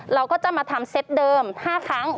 เราก็จะมาทำเซตเดิม๕ครั้ง